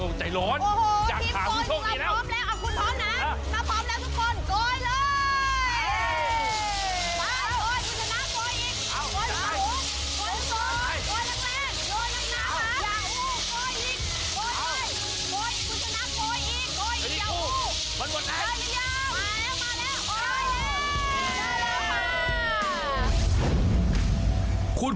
โอ้โหทีมโกยที่เราพร้อมแล้วคุณพร้อมนะเราพร้อมแล้วทุกคน